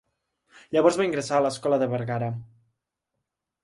Llavors va ingressar a l'Escola de Bergara.